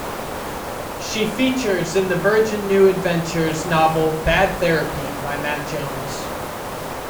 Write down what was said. She features in the Virgin New Adventures novel "Bad Therapy" by Matt Jones.